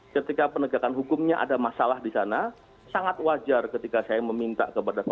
ketika penegakan hukumnya ada masalah di sana sangat wajar ketika saya meminta kepada pemerintah